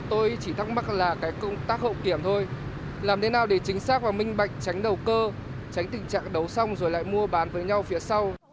tôi chỉ thắc mắc là cái công tác hậu kiểm thôi làm thế nào để chính xác và minh bạch tránh đầu cơ tránh tình trạng đấu xong rồi lại mua bán với nhau phía sau